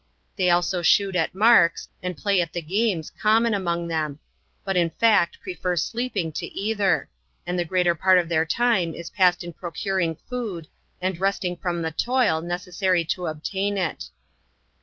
They also shoot at marks, and play at the games common among them; but in fact prefer sleep ing to either; and the greater part of their time is passed in procuring food, and resting from the toil necessary to ob tain it.